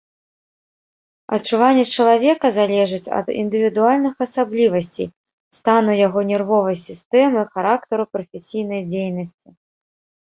Адчуванні чалавека залежаць ад індывідуальных асаблівасцей, стану яго нервовай сістэмы, характару прафесійнай дзейнасці.